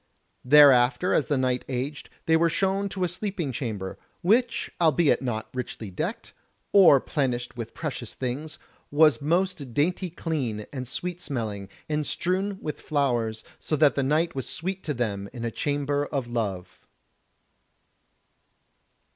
Thereafter as the night aged, they were shown to a sleeping chamber, which albeit not richly decked, or plenished with precious things, was most dainty clean, and sweet smelling, and strewn with flowers, so that the night was sweet to them in a chamber of love.